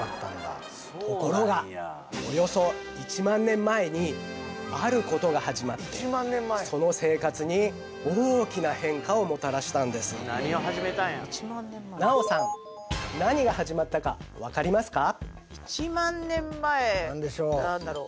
ところがおよそ１万年前にあることが始まってその生活に大きな変化をもたらしたんですナヲさん何が始まったか分かりますか？